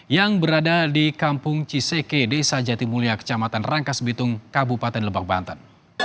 yang berada di kampung ciseke desa jatimulya kecamatan rangkas bitung kabupaten lebak banten